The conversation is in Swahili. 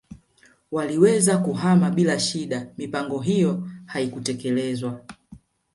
Waliweza kuhama bila shida mipango hiyo haikutekelezwa